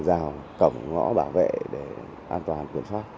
giàu cổng ngõ bảo vệ để an toàn quyền pháp